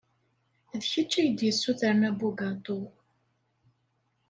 D kečč ay d-yessutren abugaṭu.